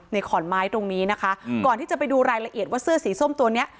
ขอนไม้ตรงนี้นะคะก่อนที่จะไปดูรายละเอียดว่าเสื้อสีส้มตัวเนี้ย